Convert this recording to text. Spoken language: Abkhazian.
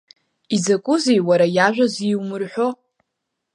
Изакәызеи, уара иажәа зиумырҳәо?!